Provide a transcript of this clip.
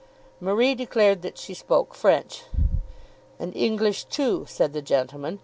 Marie declared that she spoke French. "And English too," said the gentleman.